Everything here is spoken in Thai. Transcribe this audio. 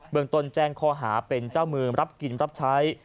เมืองตนแจ้งข้อหาเป็นเจ้ามือรับกินรับใช้